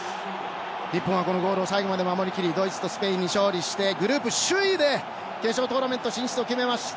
日本はこのゴールを最後まで守り抜きドイツとスペインに勝利してグループ首位で決勝トーナメント進出を決めました。